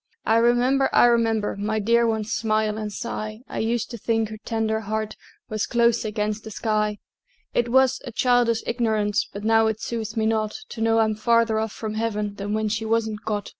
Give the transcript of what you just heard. I remember, I remember, My dear one's smile and sigh; I used to think her tender heart Was close against the sky. It was a childish ignorance, But now it soothes me not To know I'm farther off from Heaven Then when she wasn't got.